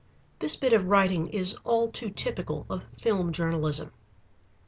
This bit of writing is all too typical of film journalism.